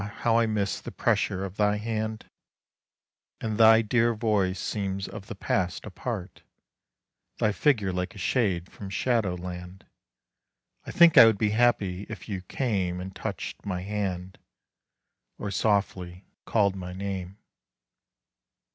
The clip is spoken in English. how I miss the pressure of thy hand, And thy dear voice seems of the past a part; Thy figure like a shade from shadow land. I think I would be happy if you came And touched my hand, or softly called my name.